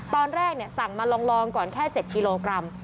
ตอนแรกสั่งมาลองก่อนแค่๗กิโลกรัม